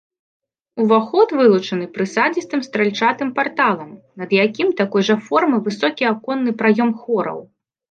Уваход вылучаны прысадзістым стральчатым парталам, над якім такой жа формы высокі аконны праём хораў.